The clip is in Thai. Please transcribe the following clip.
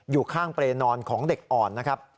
อยู่ข้างเปรย์นอนของเด็กอ่อนนะครับ